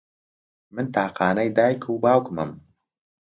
من تاقانەی دایک و باوکمم.